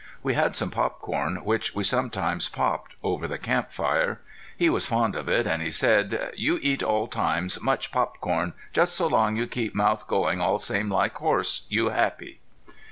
We had some pop corn which we sometimes popped over the camp fire. He was fond of it and he said: "You eat all time much pop corn just so long you keep mouth going all same like horse you happy."